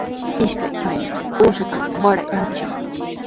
Ishkay trina uushatami waray rantishaq.